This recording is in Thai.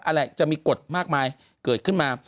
อะไรจะมีกฎมากมายเกิดขึ้นมา